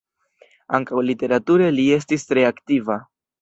Ankaŭ literature li estis tre aktiva.